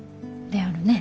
であるね。